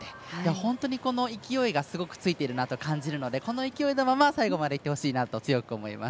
本当に勢いがすごくついているなと感じるのでこの勢いのまま最後までいってほしいなと思っています。